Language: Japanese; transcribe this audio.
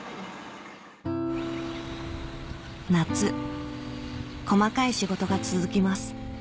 夏細かい仕事が続きます